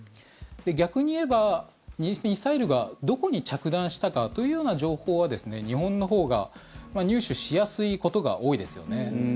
逆に言えば、ミサイルがどこに着弾したかというような情報は日本のほうが入手しやすいことが多いですよね。